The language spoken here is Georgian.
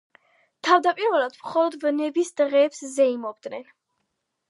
თავდაპირველად მხოლოდ ვნების დღეებს ზეიმობდნენ.